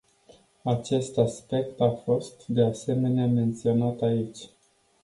Acest aspect a fost, de asemenea, menționat aici.